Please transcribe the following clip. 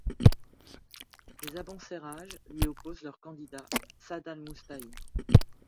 Les Abencérages lui opposent leur candidat Sa`d al-Musta`în.